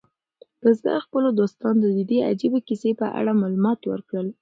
بزګر خپلو دوستانو ته د دې عجیبه کیسې په اړه معلومات ورکړل.